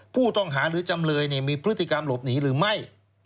ผู้ต้องหาหรือจำเลยมีพฤติกรรมหลบหนีหรือไม่